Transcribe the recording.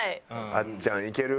あっちゃんいける？